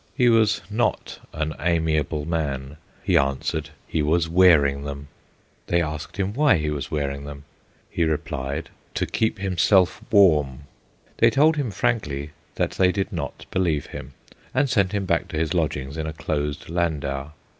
He was not an amiable man. He answered, he was wearing them. They asked him why he was wearing them. He replied, to keep himself warm. They told him frankly that they did not believe him, and sent him back to his lodgings in a closed landau.